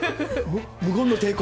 無言の抵抗？